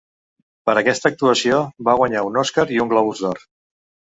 Per aquesta actuació va guanyar un Oscar i un Globus d'Or.